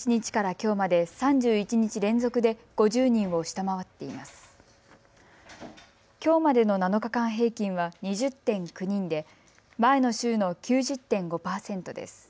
きょうまでの７日間平均は２０．９人で前の週の９０．５％です。